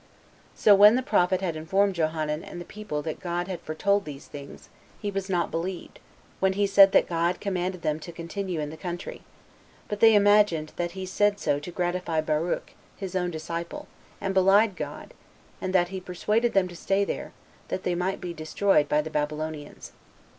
So when the prophet had informed Johanan and the people that God had foretold these things, he was not believed, when he said that God commanded them to continue in the country; but they imagined that he said so to gratify Baruch, his own disciple, and belied God, and that he persuaded them to stay there, that they might be destroyed by the Babylonians.